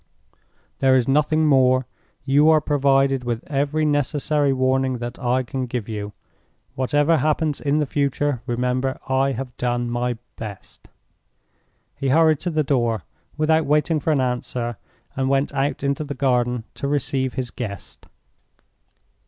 There is nothing more. You are provided with every necessary warning that I can give you. Whatever happens in the future, remember I have done my best." He hurried to the door without waiting for an answer, and went out into the garden to receive his guest.